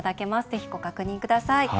是非ご確認ください。